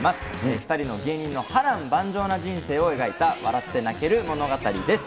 ２人の芸人の波乱万丈な人生を描いた、笑って泣ける物語です。